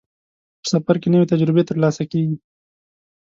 په سفر کې نوې تجربې ترلاسه کېږي.